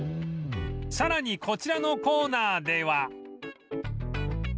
さらにこちらのコーナーでは